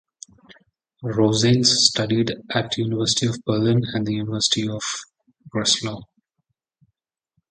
Rosanes studied at University of Berlin and the University of Breslau.